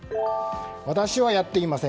私はやっていません